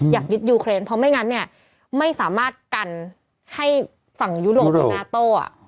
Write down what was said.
อยากยึดยูเครนเพราะไม่งั้นเนี่ยไม่สามารถกันให้ฝั่งยุโรปหรือนาโต้